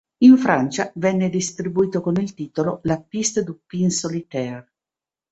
In Francia venne distribuito con il titolo "La Piste du pin solitaire".